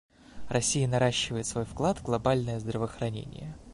Россия наращивает свой вклад в глобальное здравоохранение.